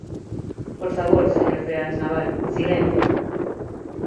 Por favor, señor Freáns Nabal, ¡silencio!